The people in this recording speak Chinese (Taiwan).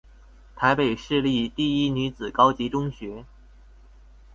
臺北市立第一女子高級中學